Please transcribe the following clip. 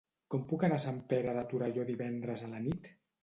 Com puc anar a Sant Pere de Torelló divendres a la nit?